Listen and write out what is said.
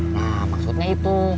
nah maksudnya itu